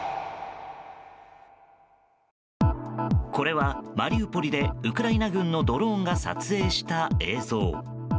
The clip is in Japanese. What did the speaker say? これは、マリウポリでウクライナ軍のドローンが撮影した映像。